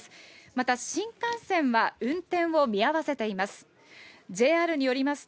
また新幹線は運転を見合わせています。